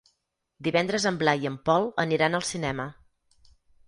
Divendres en Blai i en Pol aniran al cinema.